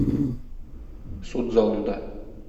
Суд залында.